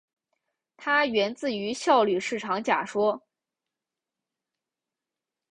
它源自于效率市场假说。